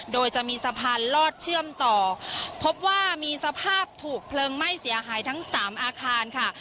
โดยจะมีสะพานลอดเชื่อมต่อพบว่ามีสภาพถูกเพลิงไหม้เสียหายทั้งสามอาคารค่ะ